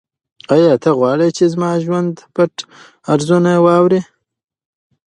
آیا ته غواړې چې زما د ژوند پټ رازونه واورې؟